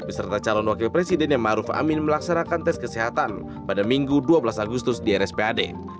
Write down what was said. beserta calon wakil presidennya maruf amin melaksanakan tes kesehatan pada minggu dua belas agustus di rspad